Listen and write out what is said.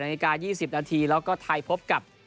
นาฬิกา๒๐นาทีแล้วก็ไทยพบกับ